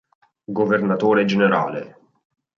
Governatore generale